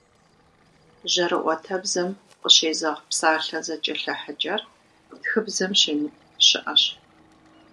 Жьэрыӏуэтэбзэм къыщезэгъ псалъэ зэкӏэлъыхьыкӏэр тхыбзэм щемыкӏу щыӏэщ.